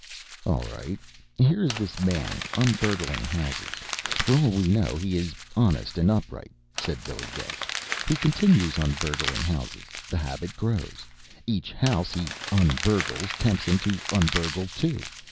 "All right! Here is this man, un burgling houses. For all we know he is honest and upright," said Billy Getz. "He continues un burgling houses. The habit grows. Each house he un burgles tempts him to un burgle two.